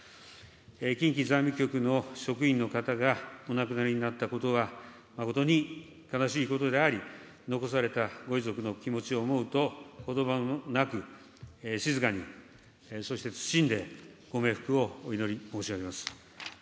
近畿財務局の職員の方がお亡くなりになったことは、誠に悲しいことであり、残されたご遺族の気持ちを思うと、ことばもなく、静かに、そして謹んでご冥福をお祈り申し上げます。